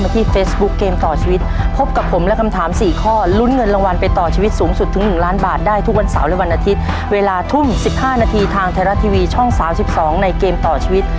ทุกวันเสาร์และวันอาทิตย์เวลาทุ่ม๑๕นาทีทางไทยรัตทีวีช่อง๓๒ในเกมต่อชีวิต